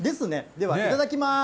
では、いただきます。